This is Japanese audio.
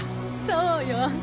そうよ。